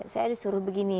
saya disuruh begini